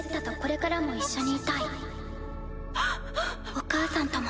お母さんとも。